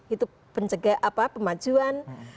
itu pencegahan apa pemajuan